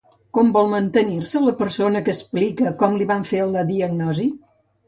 Com vol mantenir-se la persona que explica com li van fer la diagnosi?